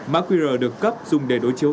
mã qr được cấp dùng để đối chiếu